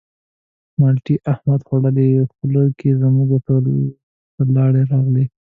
مالټې احمد خوړلې خوله کې زموږ ورته لاړې راغلې.